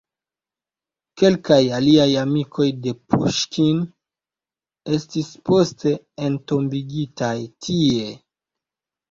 Kelkaj aliaj amikoj de Puŝkin estis poste entombigitaj tie.